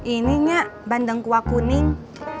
ini nga bandeng kuah kuning